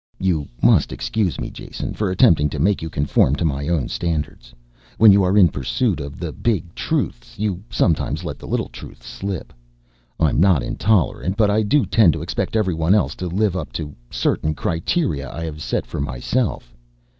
"You must excuse me, Jason, for attempting to make you conform to my own standards. When you are in pursuit of the big Truths, you sometimes let the little Truths slip. I'm not intolerant, but I do tend to expect everyone else to live up to certain criteria I have set for myself.